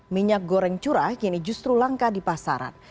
minyak goreng curah kini justru langka di pasaran